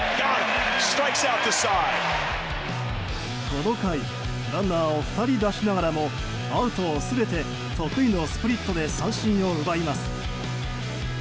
この回ランナーを２人出しながらもアウトを全て得意のスプリットで三振を奪います。